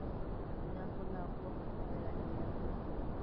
Nyako lau oromo maber ahinya.